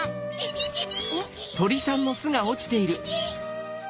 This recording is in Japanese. ピピピ！